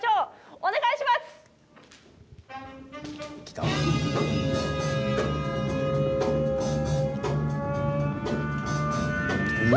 お願いします。